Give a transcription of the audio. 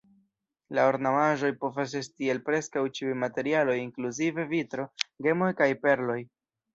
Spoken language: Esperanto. La ornamaĵoj povas esti el preskaŭ ĉiuj materialoj inkluzive vitro, gemoj kaj perloj.